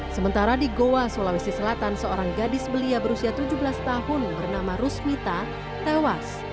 sementara di goa sulawesi selatan seorang gadis belia berusia tujuh belas tahun bernama rusmita tewas